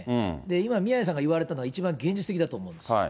今、宮根さんが言われたのは一番、現実的だと思うんです。